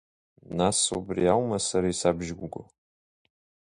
Нас убри аума сара исабжьуго?